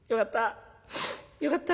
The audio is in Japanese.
よかった。